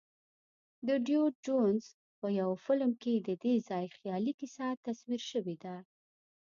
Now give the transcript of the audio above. د ډیویډ جونز په یوه فلم کې ددې ځای خیالي کیسه تصویر شوې ده.